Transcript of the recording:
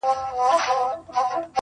o د سترگو هره ائينه کي مي ستا نوم ليکلی.